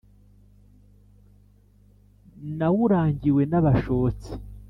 nawurangiwe n' abashotsi